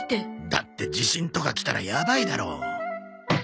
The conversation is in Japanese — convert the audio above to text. だって地震とか来たらやばいだろ。